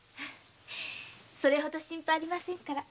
それほど心配ありませんから。